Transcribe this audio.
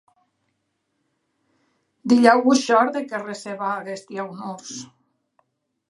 Dilhèu vos shòrde que receba aguesti aunors?